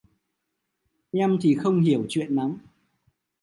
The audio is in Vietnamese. Em thì không hiểu chuyện lắm